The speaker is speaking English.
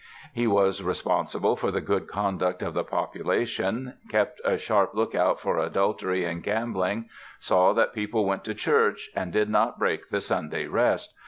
He was "responsible for the good conduct of the population, kept a sharp look out for adultery and gambling; saw that people went to church and did not break the Sunday rest